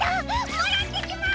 もらってきます！